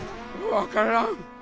分からん。